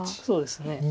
そうですね。